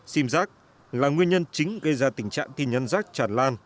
sim jack là nguyên nhân chính gây ra tình trạng tin nhắn jack tràn lan